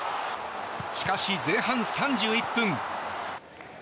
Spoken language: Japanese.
しかし、前半３１分。